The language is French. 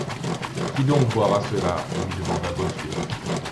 Qui donc boira cela ? lui demanda Bossuet.